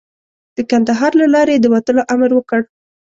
د کندهار له لارې یې د وتلو امر وکړ.